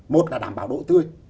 một là đảm bảo đổi tươi